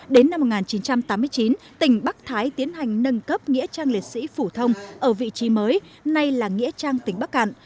đến năm một nghìn chín trăm tám mươi chín tỉnh bắc thái tiến hành nâng cấp nghĩa trang liệt sĩ phủ thông ở vị trí mới nay là nghĩa trang tỉnh bắc cạn